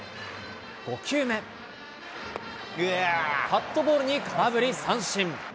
カットボールに空振り三振。